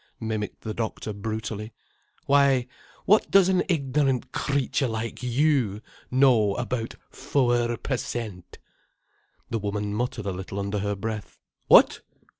mimicked the doctor brutally. "Why, what does an ignorant creature like you know about fower per cent." The woman muttered a little under her breath. "What?